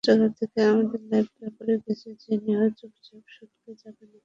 আমাদের অস্ত্রাগার থেকে আমাদের ল্যাবের ব্যাপারে সবকিছু জেনে ও চুপচাপ সটকে যাবে না!